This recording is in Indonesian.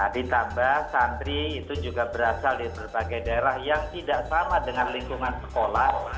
ditambah santri itu juga berasal dari berbagai daerah yang tidak sama dengan lingkungan sekolah